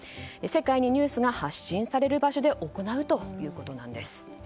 世界にニュースが発信される場所で行うということなんです。